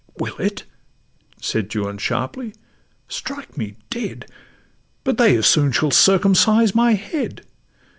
'Will it?' said Juan, sharply: 'Strike me dead, But they as soon shall circumcise my head!